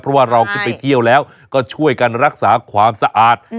เพราะว่าเราขึ้นไปเที่ยวแล้วก็ช่วยกันรักษาความสะอาด